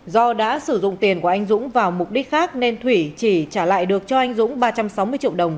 do đã sử dụng tiền của anh dũng vào mục đích khác nên thủy chỉ trả lại được cho anh dũng ba trăm sáu mươi triệu đồng